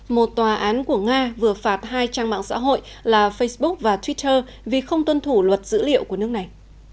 một tòa án của nga vừa phạt hai trang mạng xã hội là facebook và twitter vì không tuân thủ luật dữ liệu của nước này